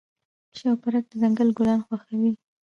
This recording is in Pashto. شوپرک د ځنګل ګلان خوښوي.